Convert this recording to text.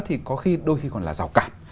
thì có khi đôi khi còn là rào cạp